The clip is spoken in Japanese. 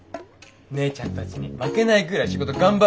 姉ちゃんたちに負けないぐらい仕事頑張るよ。